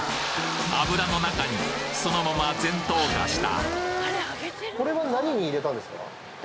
油の中にそのまま全投下した！